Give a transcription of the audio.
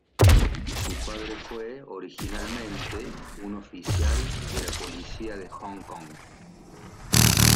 Su padre fue originalmente un oficial de la Policía de Hong Kong.